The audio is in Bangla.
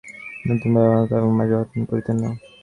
নতুবা এমন করিয়া আজ রসভঙ্গ করিতেন না।